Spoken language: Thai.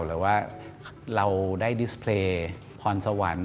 หรือว่าเราได้ดิสเพลย์พรสวรรค์